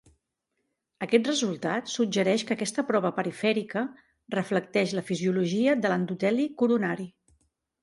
Aquest resultat suggereix que aquesta prova perifèrica reflecteix la fisiologia de l'endoteli coronari.